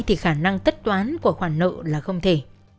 thì khả năng tất toán của khoản nợ là không thể